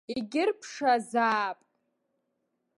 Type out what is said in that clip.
Егьырԥшаазаап.